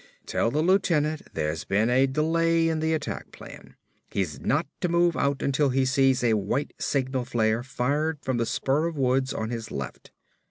"Tell the lieutenant there's been a delay in the attack plan. He's not to move out until he sees a white signal flare fired from the spur of woods on his left.